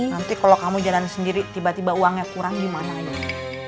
nanti kalau kamu jalan sendiri tiba tiba uangnya kurang gimana gitu